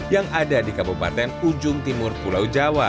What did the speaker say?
yang ada di kabupaten ujung timur pulau jawa